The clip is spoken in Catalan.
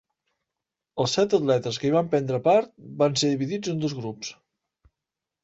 Els set atletes que hi van prendre part van ser dividits en dos grups.